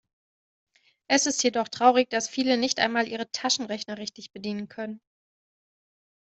Es ist jedoch traurig, dass viele nicht einmal ihren Taschenrechner richtig bedienen können.